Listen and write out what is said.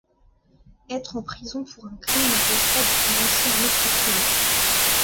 Être en prison pour un crime n’empêche pas de commencer un autre crime.